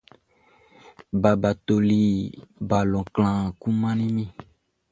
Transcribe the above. Baba toli balɔn klanhan kun man mi.